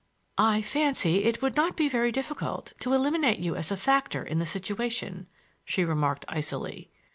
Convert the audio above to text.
"I fancy it would not be very difficult to eliminate you as a factor in the situation," she remarked icily.